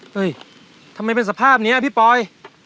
เฮ้ยทำไมเป็นสภาพนี้พี่ปอย